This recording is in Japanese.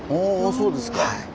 そうですか。